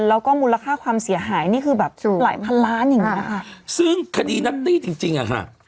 แล้วก็มูลค่าความเสียหายนี่คือแบบหลายพันล้านอย่างเงี้ค่ะซึ่งคดีนัตตี้จริงจริงอ่ะค่ะ